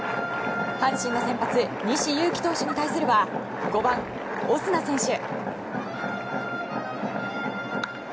阪神の先発西勇輝投手に対するは５番、オスナ選手。